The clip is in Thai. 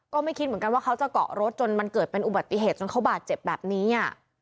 ก็ไม่คิดเหมือนกันว่าเขาจะเกาะรถจนมันเกิดเป็นอุบัติเหตุจนเขาบาดเจ็บแบบนี้